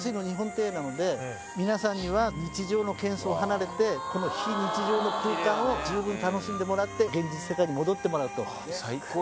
皆さんには日常のけんそうを離れてこの非日常の空間を十分楽しんでもらって現実世界に戻ってもらうと。